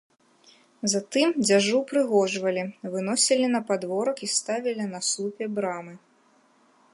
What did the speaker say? Затым дзяжу ўпрыгожвалі, выносілі на падворак і ставілі на слупе брамы.